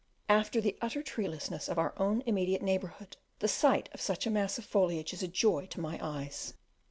After the utter treelessness of our own immediate neighbourhood, the sight of such a mass of foliage is a joy to my eyes.